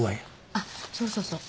あっそうそうそう。